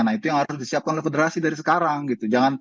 nah itu yang harus disiapkan federasi dari sekarang gitu